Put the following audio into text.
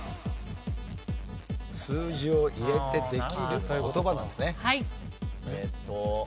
数字を入れてできる言葉なんですね。